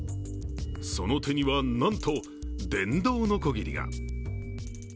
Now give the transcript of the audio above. その手にはなんと電動のこぎりが。